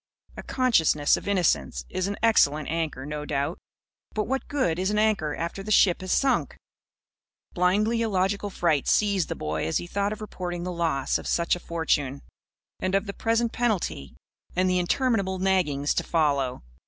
A consciousness of innocence is an excellent anchor, no doubt. But what good is an anchor after the ship has sunk? Blindly illogical fright seized the boy as he thought of reporting the loss of such a fortune and of the present penalty and the interminable naggings to follow.